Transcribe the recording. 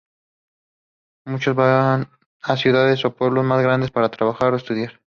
Muchos van a ciudades o pueblos más grandes para trabajar o estudiar.